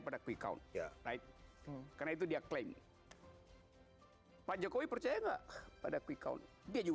pada quick count ya naik karena itu dia klaim pak jokowi percaya enggak pada quick count dia juga